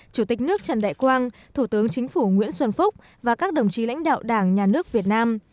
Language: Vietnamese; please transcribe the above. chủ tịch nước trần đại quang thủ tướng chính phủ nguyễn xuân phúc và các đồng chí lãnh đạo đảng nhà nước việt nam